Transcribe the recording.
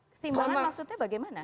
keseimbangan maksudnya bagaimana